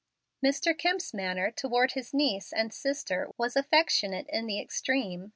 Mr. Kemp's manner toward his niece and sister was affectionate in the extreme.